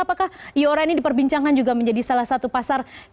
apakah iora ini diperbincangkan juga menjadi salah satu pasar ikan